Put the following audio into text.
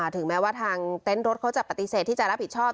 ถึงแม้ว่าทางเต็นต์รถเขาจะปฏิเสธที่จะรับผิดชอบ